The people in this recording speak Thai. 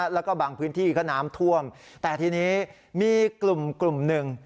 แล้วก็บางพื้นที่ก็น้ำท่วมแต่ทีนี้มีกลุ่มหนึ่ง